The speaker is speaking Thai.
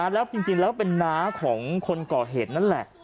แล้วจริงแล้วเป็นน้าของคนก่อเหตุนั่นแหละ